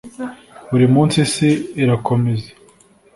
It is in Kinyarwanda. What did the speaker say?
buri munsi isi irakomeza